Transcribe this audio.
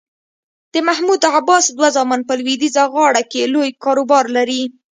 د محمود عباس دوه زامن په لویدیځه غاړه کې لوی کاروبار لري.